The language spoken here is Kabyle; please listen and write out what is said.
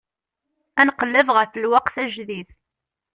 Ad nqelleb ɣef lweqt ajdid.